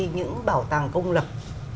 những bảo tàng công lập